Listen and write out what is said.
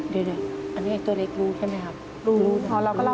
เดี๋ยวอันนี้ตัวเล็กรู้ใช่ไหมครับ